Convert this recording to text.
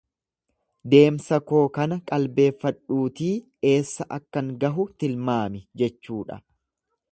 Deemsa koo kana qalbeeffadhuutii eessa akkan gahu tilmaami jechuudha.